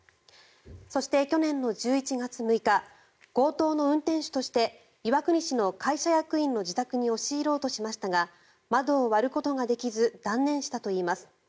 そして、去年の１１月６日強盗の運転手として岩国市の会社役員の自宅に押し入ろうとしましたが窓を割ることができず断念したといいます。